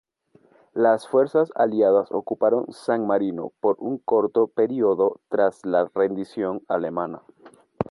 Las fuerzas aliadas ocuparon San Marino por un corto período tras la rendición alemana.